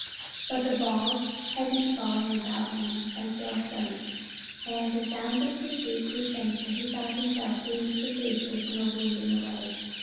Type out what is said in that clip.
But the balls had been falling about him like hailstones, and as the sounds of pursuit grew fainter, he found himself bleeding profusely from a wound in the leg.